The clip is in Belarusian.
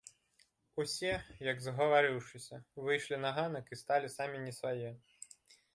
Усе, як згаварыўшыся, выйшлі на ганак і сталі самі не свае.